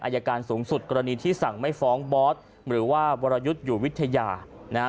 อายการสูงสุดกรณีที่สั่งไม่ฟ้องบอสหรือว่าวรยุทธ์อยู่วิทยานะฮะ